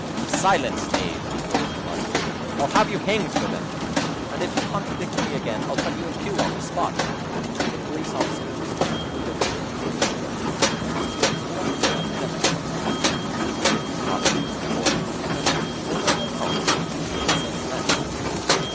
"Silence, knave!" roared the Marshal. "I'll have you hanged for them! And if you contradict me again, I'll cut you in two on the spot." The police officer respectfully observed to the Field Marshal that there must be some poetical epidemic among the watchmen, for three had been brought before him within the last quarter of an hour, accused of the same offence.